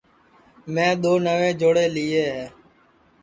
میں دؔو نئوے جوڑے لئیے ہے